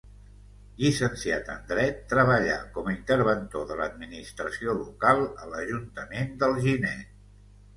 Llicenciat en dret, treballà com a interventor de l'administració local a l'ajuntament d'Alginet.